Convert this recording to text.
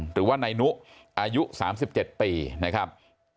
หรือว่านายนุอายุ๓๗ปีนะครับ